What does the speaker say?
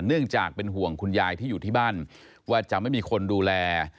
เนื่องจากเป็นห่วงคุณยายที่อยู่ที่บ้านว่าจะไม่มีคนดูแล